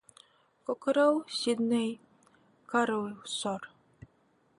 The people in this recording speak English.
Cockerell, Sydney Carlyle, Sir.